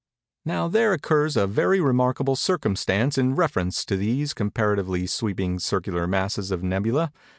Now there occurs a very remarkable circumstance in reference to these comparatively sweeping circular masses of nebulæ.